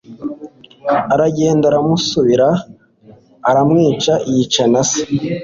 aragenda aramusumira aramwica yica nase